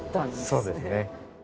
そうですね。